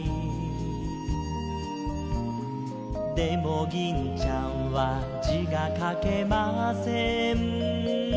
「でも銀ちゃんは字が書けません」